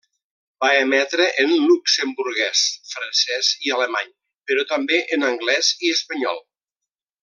Va emetre en luxemburguès, francès i alemany, però també en anglès i espanyol.